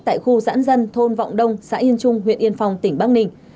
tại khu giãn dân thôn vọng đông xã yên trung huyện yên phong tỉnh bắc ninh